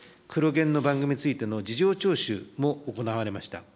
現の番組についての事情聴取も行われました。